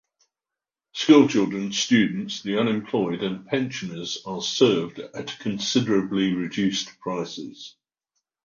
Schoolchildren, students, the unemployed, and pensioners are served at considerably reduced prices.